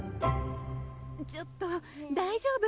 ちょっと大丈夫？